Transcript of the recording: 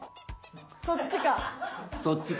そっちか！